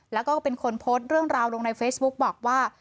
แล้วก็เป็นคนโพสต์เรื่องราวลงในเฟซบุ๊กบอกว่า